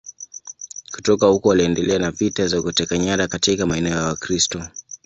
Kutoka huko waliendelea na vita za kuteka nyara katika maeneo ya Wakristo.